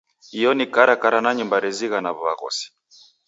Iyo ni karakara na nyumba rezighana w'aghosi.